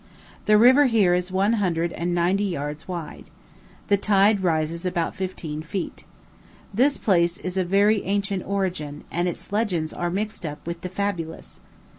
The river here is one hundred and ninety yards wide. The tide rises about fifteen feet. This place is of very ancient origin, and its legends are mixed up with the fabulous.